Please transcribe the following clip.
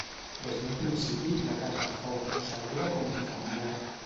Des d'un principi la casa fou concebuda com unifamiliar.